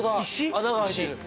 穴が開いてる。